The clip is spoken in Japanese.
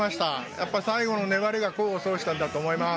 やっぱ最後の粘りが功を奏したんだと思います。